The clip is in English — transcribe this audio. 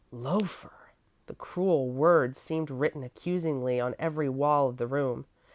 "Loafer!" The cruel word seemed written accusingly on every wall of the room.